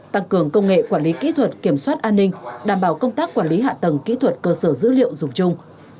tăng cường công nghệ quản lý kỹ thuật kiểm soát an ninh đảm bảo công tác quản lý hạ tầng kỹ thuật cơ sở dữ liệu dùng chung